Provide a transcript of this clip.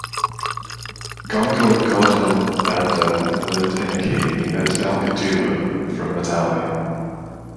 Gongalegoda Banda lived in a cave at Elkaduwa, from Matale.